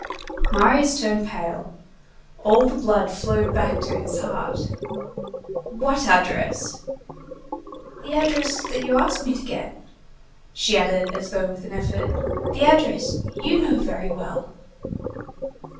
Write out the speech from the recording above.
Marius turned pale. All the blood flowed back to his heart. "What address?" "The address that you asked me to get!" She added, as though with an effort:— "The address—you know very well!"